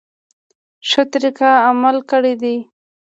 ښه طریقه عمل کړی دی.